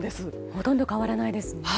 ほとんど変わらないですね。